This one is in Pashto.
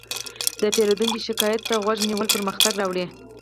د پیرودونکي شکایت ته غوږ نیول پرمختګ راولي.